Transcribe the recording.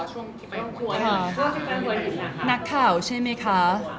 หนักข่าวใช่ไหมคะ